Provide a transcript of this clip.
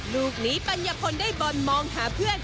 ลูกนี้ปัญญพลได้บอลมองหาเพื่อน